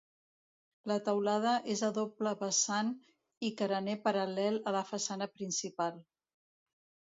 La teulada és a doble vessant i carener paral·lel a la façana principal.